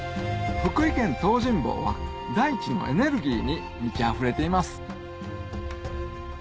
福井県東尋坊は大地のエネルギーに満ちあふれています